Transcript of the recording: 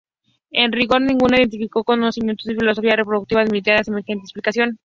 En rigor, ningún científico con conocimientos de fisiología reproductiva admitiría semejante explicación.